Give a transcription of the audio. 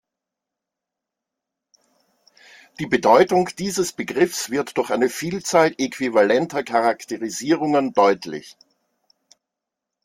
Die Bedeutung dieses Begriffs wird durch eine Vielzahl äquivalenter Charakterisierungen deutlich.